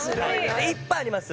いっぱいあります。